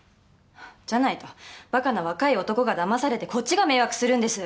じゃないとバカな若い男がだまされてこっちが迷惑するんです。